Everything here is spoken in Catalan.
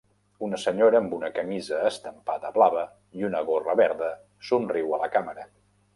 Una senyora amb una camisa estampada blava i una gorra verda somriu a la càmera.